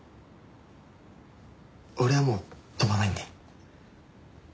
俺はもう跳ばないんで。